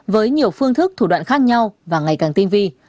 với nhiều phương thức thủ đoạn khác nhau và ngày càng tinh vi